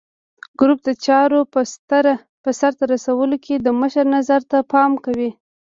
ګروپ د چارو په سرته رسولو کې د مشر نظر ته پام کوي.